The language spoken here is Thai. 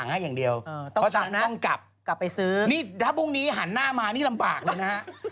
งวดนี้ต้อง